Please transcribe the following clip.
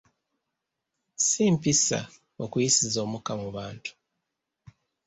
Si mpisa okuyisiza omukka mu bantu.